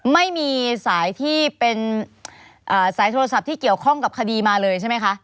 ไม่มีสายที่เป็นสายโทรศัพท์ที่เกี่ยวข้องกับคดีมาเลยใช่ไหมคะ